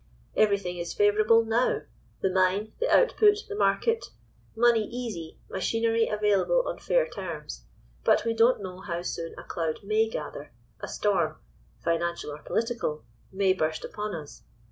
"Everything is favourable now, the mine, the output, the market—money easy, machinery available on fair terms. But we don't know how soon a cloud may gather, a storm—financial or political—may burst upon us.